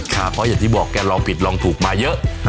เพราะอย่างที่บอกแกลองผิดลองถูกมาเยอะ